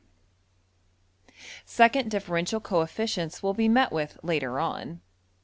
}''} \end{DPgather*} Second differential coefficients will be met with later on.